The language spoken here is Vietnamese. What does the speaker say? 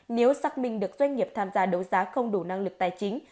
nếu xác minh được doanh nghiệp tham gia đấu giá không đủ năng lực tài chính